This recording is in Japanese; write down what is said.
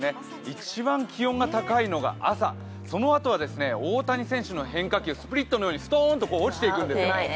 一番気温が高いのが朝そのあとは大谷選手の変化球スプリットのようにすとーんと落ちていくんですよ。